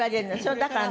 だからね